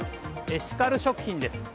エシカル食品です。